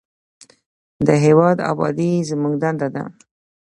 د هیواد ابادي زموږ دنده ده